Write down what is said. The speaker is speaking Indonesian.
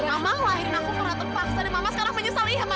mama lahirin aku merata paksa dan mama sekarang menyesal iya mak